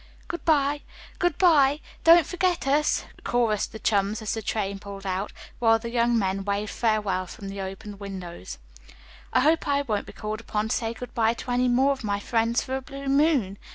"Good bye. Good bye. Don't forget us," chorused the chums as the train pulled out, while the young men waved farewell from the open windows. "I hope I won't be called upon to say good bye to any more of my friends for a blue moon!"